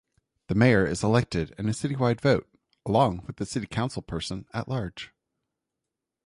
The mayor is elected in a citywide vote, along with the city councilperson-at-large.